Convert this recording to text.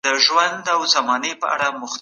که خلګ سپما وکړي اقتصاد به پياوړی سي.